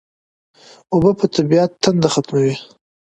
اوبه د طبیعت تنده ختموي